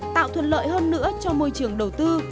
tạo thuận lợi hơn nữa cho môi trường đầu tư